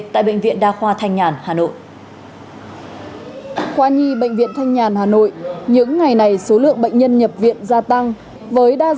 tại bệnh viện đa khoa thanh nhàn hà nội